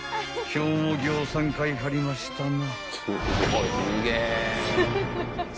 今日もぎょうさん買いはりましたな］